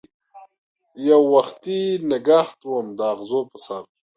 یووختي نګهت وم داغزو په سر